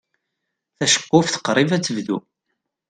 Taceqquft qrib ad tebdu.